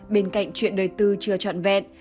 bên cạnh chuyện đời tư chưa trọn vẹn